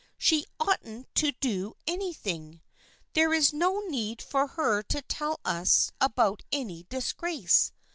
She oughtn't to do anything. There is no need for her to tell us about any disgrace.